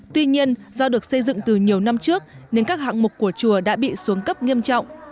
tuy nhiên do được xây dựng từ nhiều năm trước nên các hạng mục của chùa đã bị xuống cấp nghiêm trọng